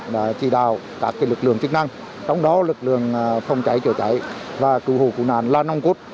đã chỉ đào các lực lượng chức năng trong đó lực lượng phòng cháy chữa cháy và cứu hộ cứu nạn là nòng cốt